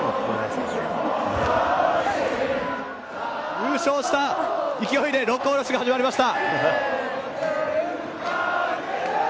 優勝した勢いで「六甲おろし」が始まりました。